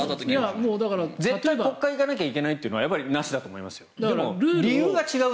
絶対国会に行かなきゃいけないというのはなしだと思いますよ。